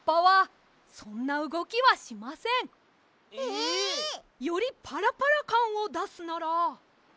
ええ！？よりパラパラかんをだすなら。